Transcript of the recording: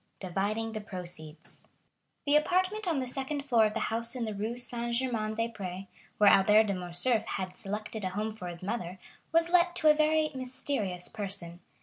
Dividing the Proceeds The apartment on the first floor of the house in the Rue Saint Germain des Prés, where Albert de Morcerf had selected a home for his mother, was let to a very mysterious person.